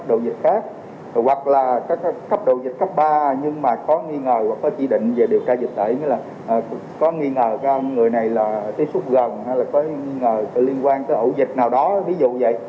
có nghi ngờ người này là tiêu xuất gần hay là có nghi ngờ liên quan tới ổ dịch nào đó ví dụ vậy